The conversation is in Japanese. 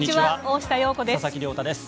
大下容子です。